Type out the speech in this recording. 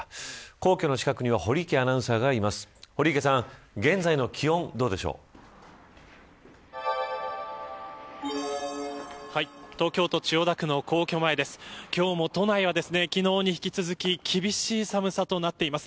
皇居の近くには堀池アナウンサーがいます。